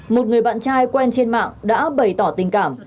một người bạn trai quen trên mạng đã bày tỏ tình cảm